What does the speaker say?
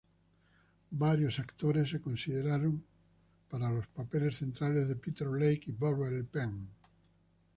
Varios actores se consideraron para los papeles centrales de Peter Lake y Beverley Penn.